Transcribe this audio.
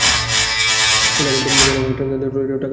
বলে আমাকে টাকা দেওয়া টয়লেটে টাকা ফেলে দেওয়া একই কথা!